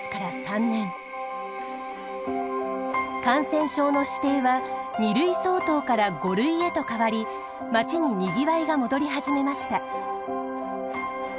感染症の指定は２類相当から５類へと変わり街ににぎわいが戻り始めました。